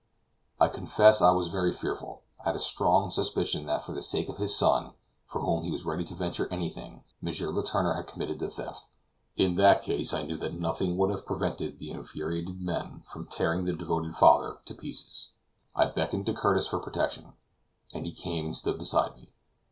I confess I was very fearful. I had a strong suspicion that for the sake of his son, for whom he was ready to venture anything, M. Letourneur had committed the theft; in that case I knew that nothing would have prevented the infuriated men from tearing the devoted father to pieces. I beckoned to Curtis for protection, and he came and stood beside me.